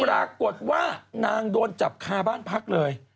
ปรากฏว่านางโดนจับคาบ้านพักเลย